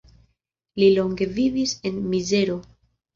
Li longe vivis en mizero.